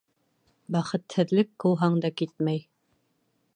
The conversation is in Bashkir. Бәхетһеҙлек ҡыуһаң да китмәй.